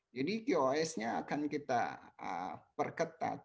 jadi kiosnya akan kita perketat